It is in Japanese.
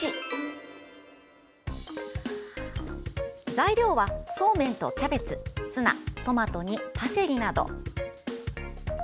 材料はそうめんとキャベツツナ、トマトにパセリなど。